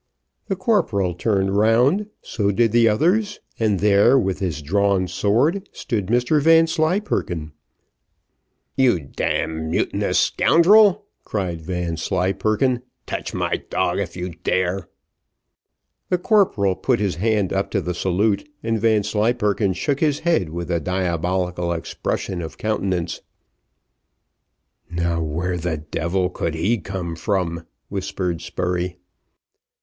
The corporal turned round, so did the others, and there, with his drawn sword, stood Mr Vanslyperken. "You d d mutinous scoundrel," cried Vanslyperken, "touch my dog, if you dare." The corporal put his hand up to the salute, and Vanslyperken shook his head with a diabolical expression of countenance. "Now where the devil could he come from?" whispered Spurey.